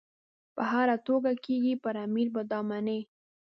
په هره توګه کېږي پر امیر به دا مني.